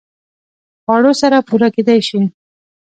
خوړو سره پوره کېدای شي